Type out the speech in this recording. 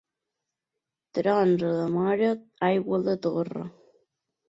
Trons a la Móra, aigua a la Torre.